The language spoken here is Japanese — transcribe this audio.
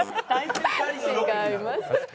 違います。